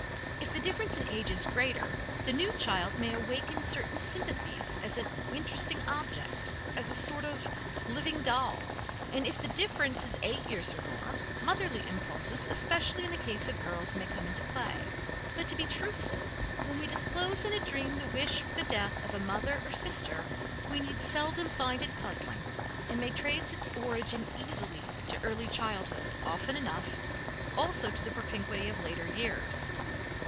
If the difference in age is greater, the new child may awaken certain sympathies as an interesting object, as a sort of living doll, and if the difference is eight years or more, motherly impulses, especially in the case of girls, may come into play. But to be truthful, when we disclose in a dream the wish for the death of a mother or sister we need seldom find it puzzling and may trace its origin easily to early childhood, often enough, also, to the propinquity of later years.